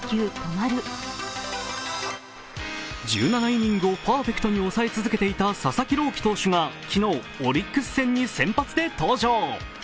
１７イニングをパーフェクトに抑え続けていた佐々木朗希投手が昨日、オリックス戦に先発で登場。